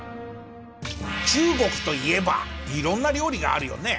中国といえばいろんな料理があるよね。